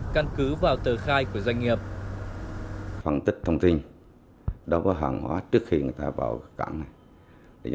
căn cứ vào tờ khai của doanh nghiệp